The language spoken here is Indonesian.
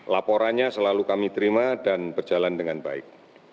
laporannya selalu kami terima dan berjalan dengan baik